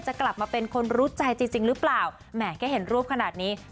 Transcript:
กลับมาเป็นคนรู้ใจจริงหรือเปล่าแหมแค่เห็นรูปขนาดนี้